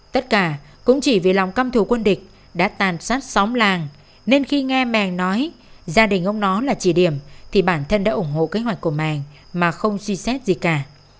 tất cả cũng chỉ vì lòng căm thủ quân địch đã tàn sát xóm làng nên khi nghe màng nói gia đình ông nó là chỉ điểm thì bản thân đã ủng hộ kế hoạch của màng mà không suy xét gì cả